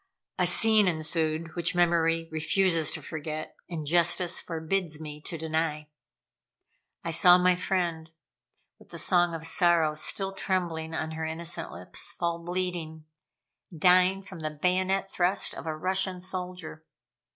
A scene ensued which memory refuses to forget, and justice forbids me to deny. I saw my friend, with the song of sorrow still trembling on her innocent lips, fall bleeding, dying from the bayonet thrust of a Russian soldier.